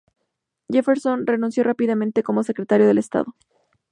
Jefferson renunció rápidamente como Secretario de Estado.